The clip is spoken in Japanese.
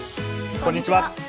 こんにちは。